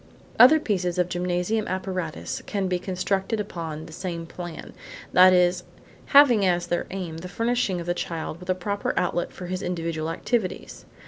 Other pieces of gymnasium apparatus can be constructed upon the same plan, that is, having as their aim the furnishing of the child with a proper outlet for his individual activities.